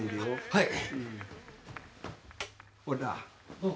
はい？